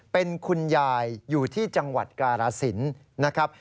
เป็นคุณยายอยู่ที่จังหวัดกาลสินนะครับ